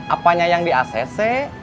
apanya yang di acc